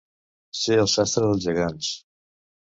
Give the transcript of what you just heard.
Ser el sastre dels gegants.